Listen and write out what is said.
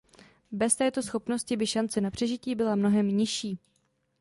Bez této schopnosti by šance na přežití byla mnohem nižší.